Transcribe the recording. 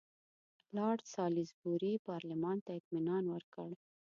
لارډ سالیزبوري پارلمان ته اطمینان ورکړ.